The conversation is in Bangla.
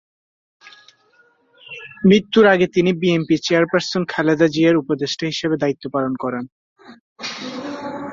মৃত্যুর আগে তিনি বিএনপি চেয়ারপারসন খালেদা জিয়ার উপদেষ্টা হিসেবে দায়িত্ব পালন করেন।